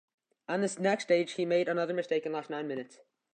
On the next stage, he made another mistake and lost nine minutes.